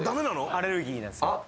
アレルギーなんですよあっ